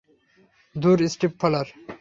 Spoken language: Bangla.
ধুর, স্টিফলার।